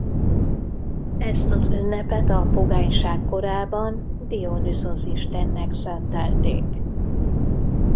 Ezt az ünnepet a pogányság korában Dionüszosz istennek szentelték.